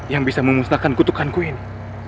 yang bisa memusnahkan kutukanku ini